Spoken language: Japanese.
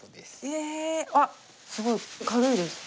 あすごい軽いです。